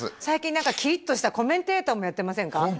最近キリッとしたコメンテーターもやってませんか？